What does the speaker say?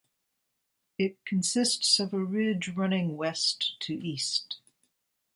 It consists of a ridge running west to east.